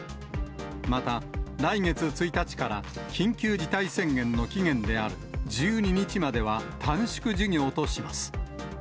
また、来月１日から緊急事態宣言の期限である１２日までは短縮授業とします。